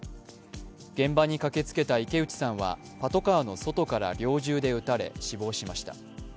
現場に駆けつけた池内さんはパトカーの外から猟銃で撃たれ死亡しました。